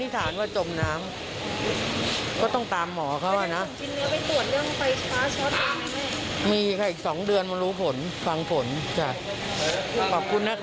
ฟังผลขอบคุณนะคะ